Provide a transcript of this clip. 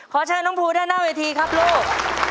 เชิญน้องภูด้านหน้าเวทีครับลูก